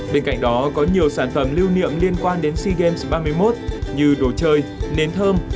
bên cạnh đó có nhiều sản phẩm lưu niệm liên quan đến sea games ba mươi một như đồ chơi nến thơm